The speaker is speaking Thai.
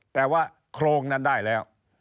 แต่ว่าโครงนั้นได้แล้ว